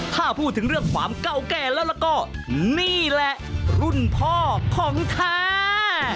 ถ้าพูดถึงเรื่องความเก่าแก่แล้วก็นี่แหละรุ่นพ่อของแท้